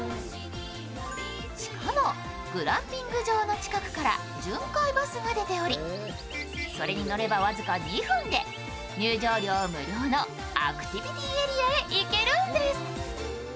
しかもグランピング場の近くから巡回バスが出ておりそれに乗れば、僅か２分で入場料無料のアクティビティエリアに行けるんです。